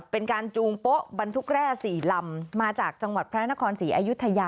จูงโป๊ะบรรทุกแร่๔ลำมาจากจังหวัดพระนครศรีอายุทยา